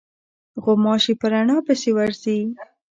غوماشې په رڼا پسې ورځي.